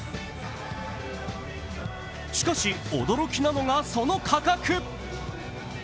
しかし、驚きなのがその価格。